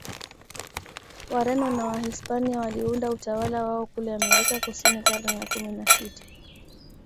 Wareno na Wahispania waliunda utawala wao kule Amerika Kusini karne ya kumi na sita